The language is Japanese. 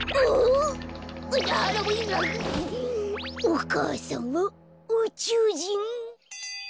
お母さんはうちゅうじん！？